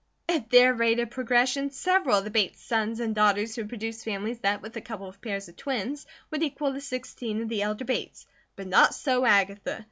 At their rate of progression several of the Bates sons and daughters would produce families that, with a couple of pairs of twins, would equal the sixteen of the elder Bates; but not so Agatha.